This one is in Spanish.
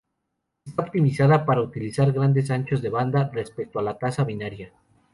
Está optimizada para utilizar grandes anchos de banda respecto a la tasa binaria.